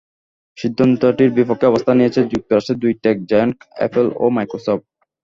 সিদ্ধান্তটির বিপক্ষে অবস্থান নিয়েছে যুক্তরাষ্ট্রের দুই টেক জায়ান্ট অ্যাপল ও মাইক্রোসফট।